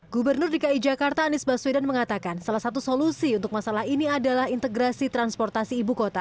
gubernur dki jakarta anies baswedan mengatakan salah satu solusi untuk masalah ini adalah integrasi transportasi ibu kota